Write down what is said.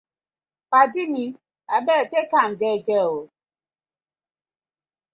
Paadi mi abeg tak am jeje ooo.